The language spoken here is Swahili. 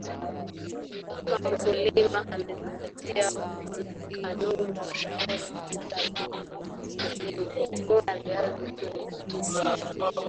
kama mkuliama amezingatia kanuni na ushauri wa wataalam wa kilimo huvuna viazi vyenye tija